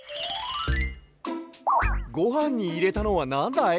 ごはんにいれたのはなんだい？